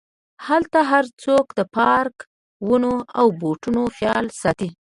هلته هرڅوک د پارک، ونو او بوټو خیال ساتي.